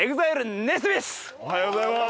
おはようございます。